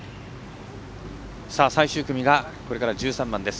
最終組がこれから１３番です。